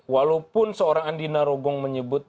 walaupun seorang andina rogo menyebut